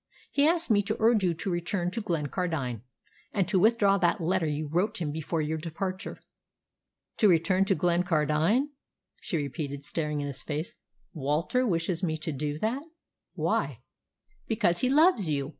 "He asked me to urge you to return to Glencardine, and to withdraw that letter you wrote him before your departure." "To return to Glencardine!" she repeated, staring into his face. "Walter wishes me to do that! Why?" "Because he loves you.